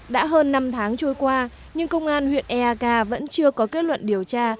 đã hơn năm tháng trôi qua nhưng công an huyện eak vẫn chưa có kết luận điều tra